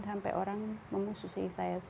sampai orang memusuhi saya